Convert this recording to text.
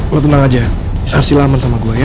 lo tenang aja arsila aman sama gue ya